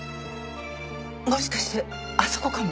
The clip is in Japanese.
もしかしてあそこかも。